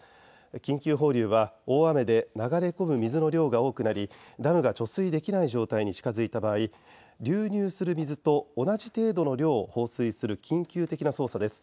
緊急放流は大雨で流れ込む水の量が多くなりダムが貯水できない状態に近づいた場合流入する水と同じ程度の量を放水する緊急的な操作です。